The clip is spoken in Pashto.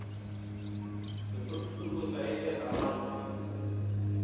د پټو سترګو تایید یې تاوان کوي.